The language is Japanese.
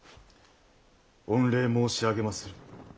御礼申し上げまする。